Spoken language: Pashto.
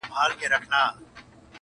له تا قربان سم مهربانه بابا!.